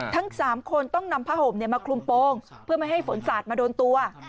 ทั้ง๓คนต้องนำผ้าห่มมาคลุมโปรงเพื่อไม่ให้ฝนสาดมาโดนตัว